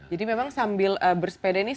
jadi memang sambil bersepeda ini